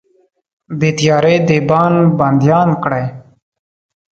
د تیارو دیبان بنديان کړئ